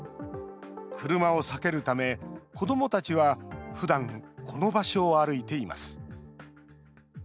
車を避けるため、子どもたちは、ふだんこの場所を歩いています。